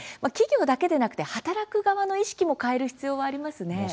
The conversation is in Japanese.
企業だけでなくて働く側の意識も変える必要はありますね。